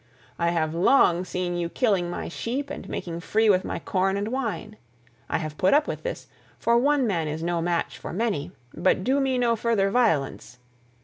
I have long seen you killing my sheep and making free with my corn and wine: I have put up with this, for one man is no match for many, but do me no further violence.